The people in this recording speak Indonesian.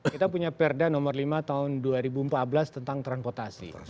kita punya perda nomor lima tahun dua ribu empat belas tentang transportasi